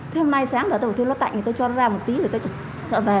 thế hôm nay sáng rồi tôi bảo tôi nó tạnh tôi cho nó ra một tí rồi tôi chọn về